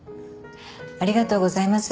ありがとうございます。